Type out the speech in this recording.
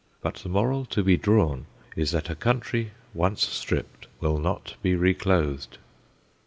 But the moral to be drawn is that a country once stripped will not be reclothed.